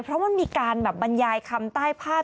เพราะมันมีการแบบบรรยายคำใต้ภาพ